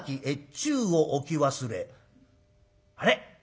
あれ？